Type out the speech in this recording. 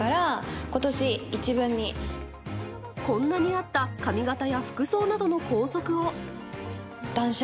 こんなにあった髪形や服装などの校則を。